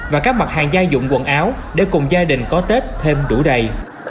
và các mặt hàng gia dụng quần áo để cùng gia đình có tết thêm đủ đầy